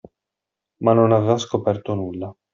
Ma non aveva scoperto nulla.